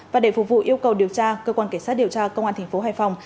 và để phục vụ yêu cầu điều tra cơ quan cảnh sát điều tra công an tp hải phòng